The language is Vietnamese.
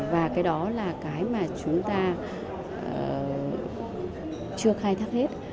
và cái đó là cái mà chúng ta chưa khai thác hết